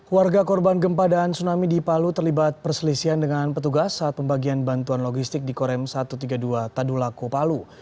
warga korban gempa dan tsunami di palu terlibat perselisihan dengan petugas saat pembagian bantuan logistik di korem satu ratus tiga puluh dua tadulako palu